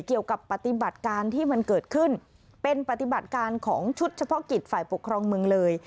เกี่ยวกับปฏิบัติการที่มันเกิดขึ้นเป็นปฏิบัติการของชุดเฉพาะกิจฝ่ายปกครองเมืองเลย